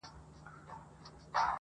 ستـا د شونډو رنگ